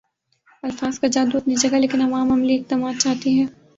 الفاظ کا جادو اپنی جگہ لیکن عوام عملی اقدامات چاہتی ہے